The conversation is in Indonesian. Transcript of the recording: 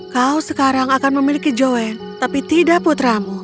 kau sekarang akan memiliki join tapi tidak putramu